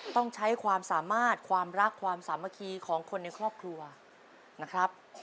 ต้องใช้ความสามารถความรักความสามัคคีของคนในครอบครัวนะครับ